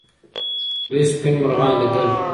دوی سپین مرغان لیدل.